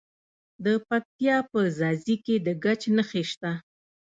د پکتیا په ځاځي کې د ګچ نښې شته.